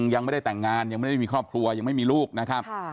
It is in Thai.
ยังไม่ได้แต่งงานยังไม่ได้มีครอบครัวยังไม่มีลูกนะครับ